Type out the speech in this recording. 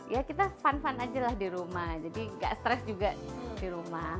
ya kita fun fun aja lah di rumah jadi nggak stres juga di rumah